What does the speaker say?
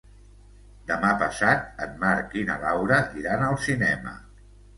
Demà passat en Marc i na Laura iran al cinema.